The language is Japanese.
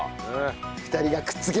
２人がくっつけば。